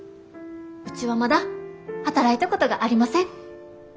うちはまだ働いたことがありません。